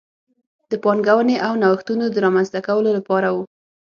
د پانګونې او نوښتونو د رامنځته کولو لپاره و.